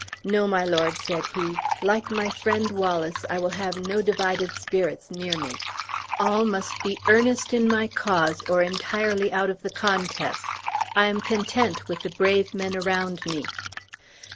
"No, my lord," said he, "like my friend Wallace, I will have no divided spirits near me; all must be earnest in my cause, or entirely out of the contest. I am content with the brave men around me."